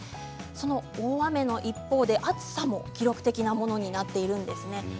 その大雨の一方で暑さも記録的なものになっているんですね。